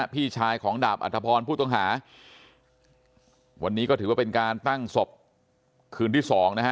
พี่ชายของดาบอัธพรผู้ต้องหาวันนี้ก็ถือว่าเป็นการตั้งศพคืนที่สองนะฮะ